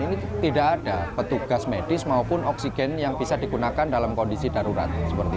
ini tidak ada petugas medis maupun oksigen yang bisa digunakan dalam kondisi darurat